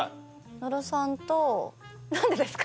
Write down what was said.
野呂さんと何でですか？